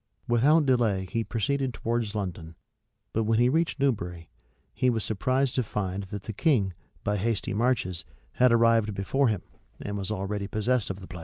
[] Without delay he proceeded towards London; but when he reached Newbury, he was surprised to find that the king, by hasty marches, had arrived before him, and was already possessed of the place.